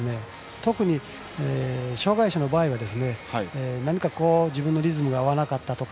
特に障がい者の場合は自分のリズムが合わなかったとか